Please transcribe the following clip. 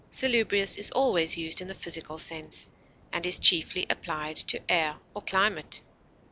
Salubrious is always used in the physical sense, and is chiefly applied to air or climate.